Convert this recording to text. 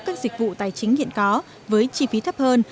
các dịch vụ tài chính hiện có với chi phí thấp hơn